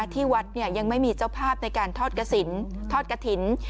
ที่วัดยังไม่มีเจ้าภาพในการทอดกระถิน